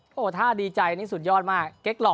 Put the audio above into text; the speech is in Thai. โอ้หัวท่าดีใจนี่สุดยอดมากเกลียดหล่อ